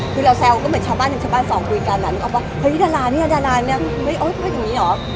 คือเราแซวก็เหมือนชาวบ้านอย่างชาวบ้านส่องคุยกันว่าเฮ้ยดาราเนี่ยดาราเนี่ยเฮ้ยเป็นอย่างนี้เหรอ